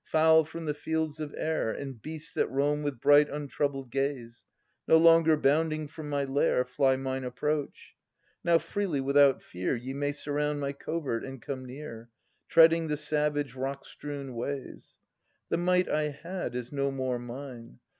Fowl from the fields of air. And beasts that roam with bright untroubled gaze. No longer bounding from my lair Fly mine approach I Now freely without fear Ye may surround my covert and come near. Treading the savage rock strewn ways. The might I had is no more mine.